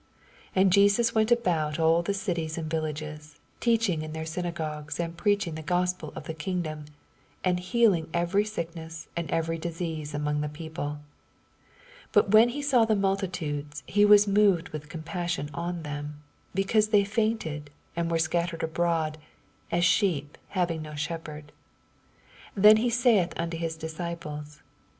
85 And Jesus went about all the cities and villages, teachinff in their synagogues, and preaching tne Gospel of the kingdom, and healing every sickness and every disease among the people. 8d But when he saw the multitudes, he was moved with compassion on them, because they fSEontea, and were scattered abroad, as sheep having no shepherd. 87 Then saith he unto his disciples.